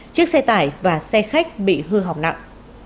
chiếc xe tải và xe khách bị hư hỏng nặng